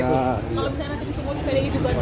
kalau bisa nanti di sumur juga ada hidupan